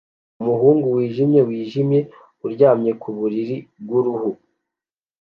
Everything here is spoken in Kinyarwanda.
Umuhungu wijimye wijimye aryamye ku buriri bwuruhu